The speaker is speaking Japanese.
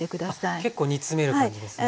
あっ結構煮詰める感じですね。